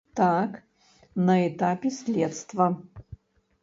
Так, на этапе следства.